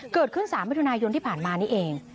เกิดขึ้น๓มิถุนายนที่ผ่านมานี่เอง